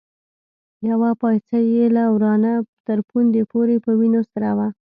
يوه پايڅه يې له ورانه تر پوندې پورې په وينو سره وه.